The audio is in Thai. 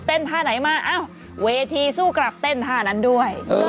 ท่าไหนมาเอ้าเวทีสู้กลับเต้นท่านั้นด้วย